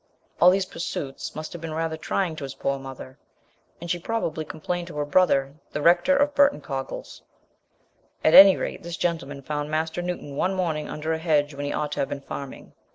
All these pursuits must have been rather trying to his poor mother, and she probably complained to her brother, the rector of Burton Coggles: at any rate this gentleman found master Newton one morning under a hedge when he ought to have been farming.